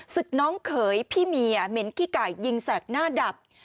ศึกน้องเขยพี่เมียเหม็นขี้ไก่ยิงแสกหน้าดับ